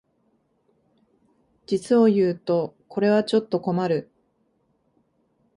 実をいうとこれはちょっと困る